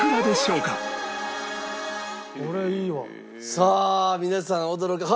さあ皆さん驚いて。